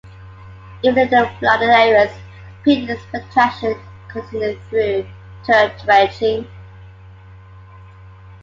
Even in flooded areas, peat extraction continued through turf dredging.